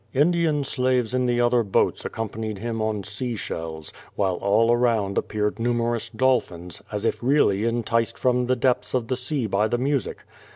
Indian slaves in the other boats accompanied him on sea shells, while all around appeared numerous dolphins, as if really enticed from the depths of the sea by the music.